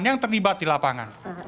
yang terlibat di lapangan